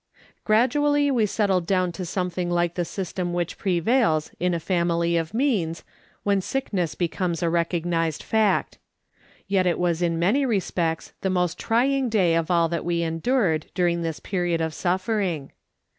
Gradually we settled down to something like the system which prevails in a family of means, when sickness becomes a recognised fact. Yet it was in many respects the most trying day of all that we endured during this period of suffering.